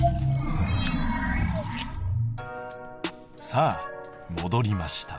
さあもどりました。